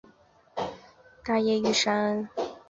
大叶玉山假瘤蕨为水龙骨科假瘤蕨属下的一个种。